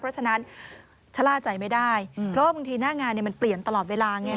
เพราะฉะนั้นชะล่าใจไม่ได้เพราะบางทีหน้างานมันเปลี่ยนตลอดเวลาไง